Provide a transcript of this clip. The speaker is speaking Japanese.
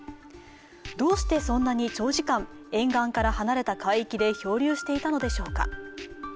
どうしてそんなに長時間、沿岸から離れた海域で漂流していたのでしょうか。